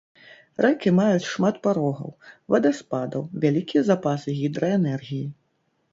Рэкі маюць шмат парогаў, вадаспадаў, вялікія запасы гідраэнергіі.